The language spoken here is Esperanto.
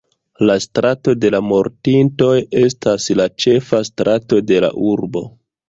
La Strato de la Mortintoj estas la ĉefa strato de la urbo.